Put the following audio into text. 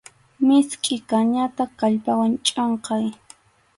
Miskʼi kañata kallpawan chʼunqay.